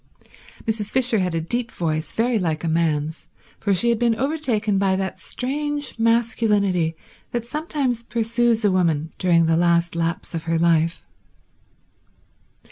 Mrs. Fisher had a deep voice, very like a man's, for she had been overtaken by that strange masculinity that sometimes pursues a woman during the last laps of her life.